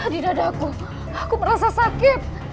di dadaku aku merasa sakit